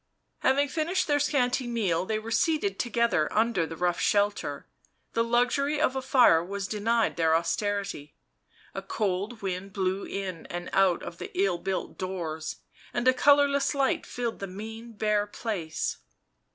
Having finished their scanty meal they were seated together under the rough shelter ; the luxury of a fire was denied their austerity; a cold wind blew in and out of the ill built doors, and a colourless light filled the mean bare place.